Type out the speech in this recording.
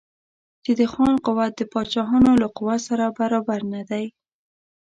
چې د خان قوت د پاچاهانو له قوت سره برابر نه دی.